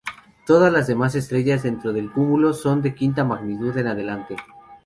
Todas las demás estrellas dentro del cúmulo son de quinta magnitud en adelante.